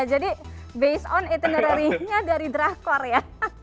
jadi based on itinerary nya dari drakor ya